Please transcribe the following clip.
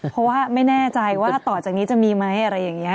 เพราะว่าไม่แน่ใจว่าต่อจากนี้จะมีไหมอะไรอย่างนี้